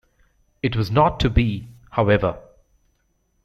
It was not to be, however.